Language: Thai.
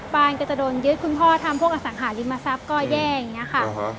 บ้านก็จะโดนยึดคุณพ่อทำพวกอสังหาริมทรัพย์ก็แย่อย่างนี้ค่ะ